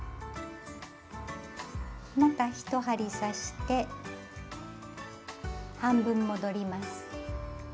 また１針刺して半分戻ります。